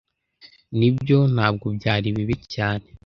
nibyo, ntabwo byari bibi cyane